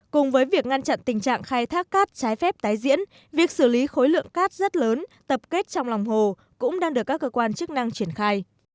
cùng với việc ngăn chặn tình trạng khai thác cát trái phép tái diễn việc xử lý khối lượng cát rất lớn tập kết trong lòng hồ cũng đang được các cơ quan chức năng triển khai